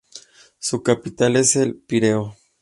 Su capital es El Pireo.